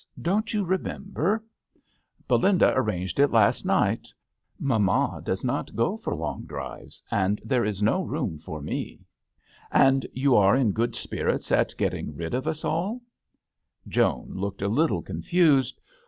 Don't you remember ? Belinda arranged it last night. Mamma does not go for long drives, and there is no room for me." " And you are in good spirits at getting rid of us all ?" THE hAtEL D'aNGLETERRE. 27 Joan looked a little confused.